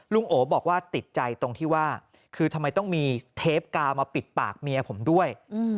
โอบอกว่าติดใจตรงที่ว่าคือทำไมต้องมีเทปกาวมาปิดปากเมียผมด้วย